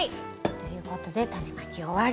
ということでタネまき終わり。